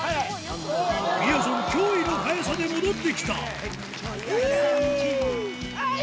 みやぞん驚異の速さで戻ってきたはい！